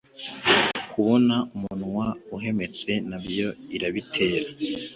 kubona umunwa uhemetse nabyo irabitera